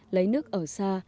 lấy nước ở xa